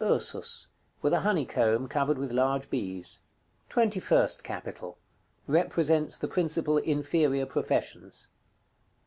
_ "URSUS." With a honeycomb, covered with large bees. § CXX. TWENTY FIRST CAPITAL. Represents the principal inferior professions.